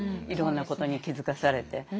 いろんなことに気付かされて。